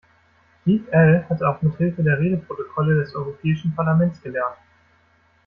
Deep-L hat auch mithilfe der Redeprotokolle des europäischen Parlaments gelernt.